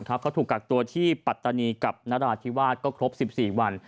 เขาถูกกักตัวที่ปัตตานีกับนราธิวาสก็ครบ๑๔วัน